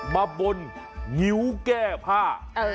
มาบนงิ้วแก้ผ้า